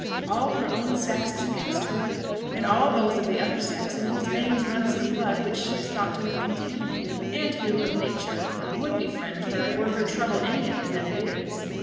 All her own sex is against her, and all those of the other sex in whose veins runs the blood which she is thought to have contaminated, and who, of nature, would befriend her were her trouble any other than it is.